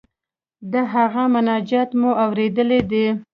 د هغه مناجات مو اوریدلی دی.